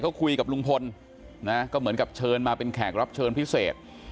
เขาคุยกับลุงพลนะก็เหมือนกับเชิญมาเป็นแขกรับเชิญพิเศษ